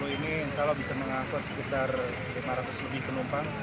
empat puluh ini bisa mengangkut sekitar lima ratus lebih penumpang